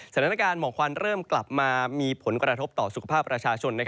สถานการณ์หมอกควันเริ่มกลับมามีผลกระทบต่อสุขภาพประชาชน